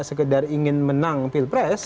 sekedar ingin menang pilpres